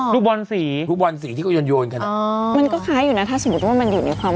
รูปวันสีรูปวันสีที่เขายนโยนคือน่ะอ๋อมันก็คล้ายอยู่น่ะถ้าสมมุติว่ามันอยู่ในความ